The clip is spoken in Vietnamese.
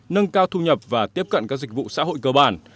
nâng cao thu nhập và tiếp cận các dịch vụ xã hội cơ bản